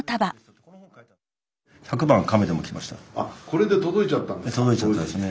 これで届いちゃったんですか。